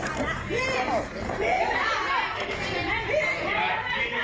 อุ้ยตกแล้วไหม